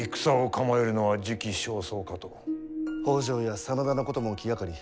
北条や真田のことも気がかり。